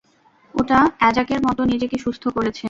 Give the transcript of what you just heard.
ওটা অ্যাজাকের মতো নিজেকে সুস্থ করেছে।